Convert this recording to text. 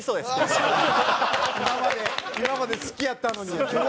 今まで今まで好きやったのに。